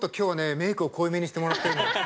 メークを濃いめにしてもらってるの。